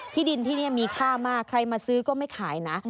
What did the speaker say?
ที่ดินที่นี่มีค่ามากใครมาซื้อก็ไม่ขายนะ